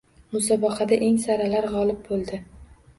Musobaqada eng saralar g‘olib bo‘ldi